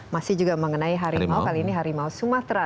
masih juga mengenai hari mau kali ini hari mau sumatera